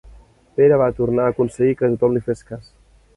Pere va tornar a aconseguir que tothom li fes cas.